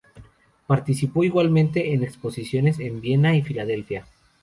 Participó igualmente en exposiciones en Viena y Filadelfia.